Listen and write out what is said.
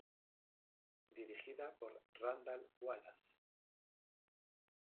Dirigida por Randall Wallace.